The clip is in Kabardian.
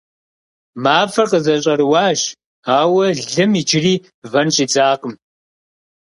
МафӀэр къызэщӀэрыуащ, ауэ лым иджыри вэн щӀидзакъым.